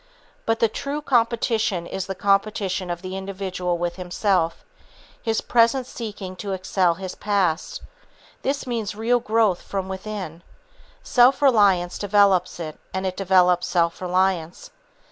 But the true competition is the competition of the individual with himself, his present seeking to excel his past. This means real growth from within. Self reliance develops it, and it develops self reliance.